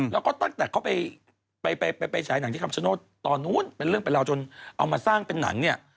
แล้วก็ตั้งแต่เขาไปฉายหนังที่คำชโนธตอนนู้นเป็นเรื่องเป็นราวจนเอามาสร้างเป็นหนังเนี่ย